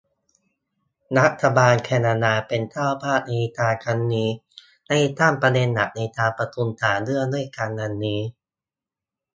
รัฐบาลแคนนาดาเป็นเจ้าภาพในการครั้งนี้ ได้ตั้งประเด็นหลักในการประชุม สาม เรื่องด้วยกัน ดังนี้